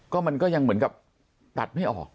ก็มันก็ยังเหมือนกับตัดไม่ออก